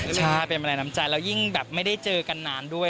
ใช่เป็นแมลงน้ำใจแล้วยิ่งแบบไม่ได้เจอกันนานด้วย